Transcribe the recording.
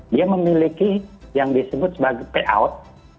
dia memiliki yang disebut sebagai payout